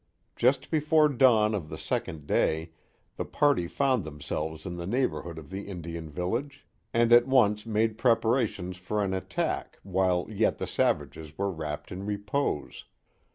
Just before dawn of the second day, the party found themselves in the neighborhood of the Indian village, and at once made preparations for an attack while yet the savages were wrapped in repose.